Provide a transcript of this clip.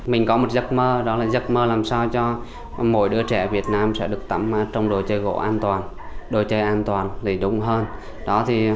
mình có một giấc mơ đó là giấc mơ làm sao cho mỗi đứa trẻ việt nam sẽ được tắm trong đồ chơi gỗ an toàn đồ chơi an toàn đầy đúng hơn